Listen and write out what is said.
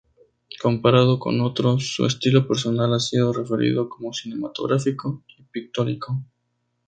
Comparado con otros, su estilo personal ha sido referido como "cinematográfico" y "pictórico".